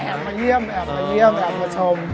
มาเยี่ยมแอบมาเยี่ยมแอบมาชม